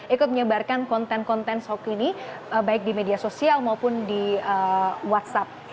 ikut menyebarkan konten konten hoax ini baik di media sosial maupun di whatsapp